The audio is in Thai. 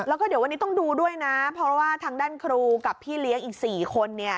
แล้วก็เดี๋ยววันนี้ต้องดูด้วยนะเพราะว่าทางด้านครูกับพี่เลี้ยงอีก๔คนเนี่ย